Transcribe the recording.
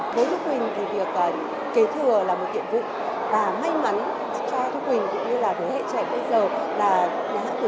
với thu quỳnh thì việc kế thừa là một tiện vụ và may mắn cho thu quỳnh cũng như là thế hệ trẻ bây giờ là nhà hát tuổi trẻ đã tăng ca trị